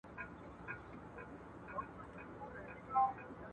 د اګوستين په کتاب کي د زړو خدايانو په اړه هم خبري سوې دي.